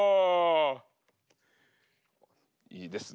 いいですね。